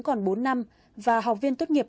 còn bốn năm và học viên tốt nghiệp